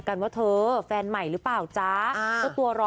คนนี้เหรอแฟนใหม่เหรอ